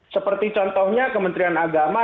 seperti contohnya kementerian agama